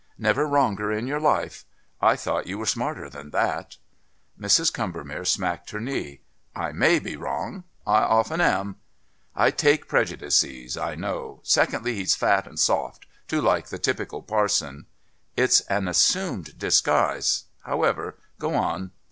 "Never wronger in your life. I thought you were smarter than that." Mrs. Combermere smacked her knee. "I may be wrong. I often am. I take prejudices, I know. Secondly, he's fat and soft too like the typical parson." "It's an assumed disguise however, go on."